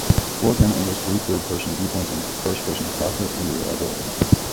Four camera angles-three third-person viewpoints and the first-person "cockpit view"-are available.